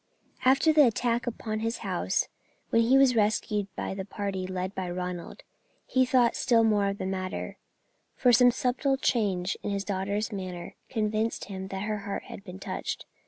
After the attack upon his house, when he was rescued by the party led by Ronald, he thought still more of the matter, for some subtle change in his daughter's manner convinced him that her heart had been touched.